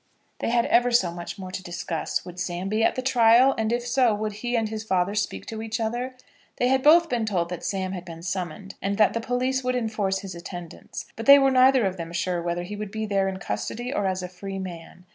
They had ever so much more to discuss. Would Sam be at the trial? And, if so, would he and his father speak to each other? They had both been told that Sam had been summoned, and that the police would enforce his attendance; but they were neither of them sure whether he would be there in custody or as a free man.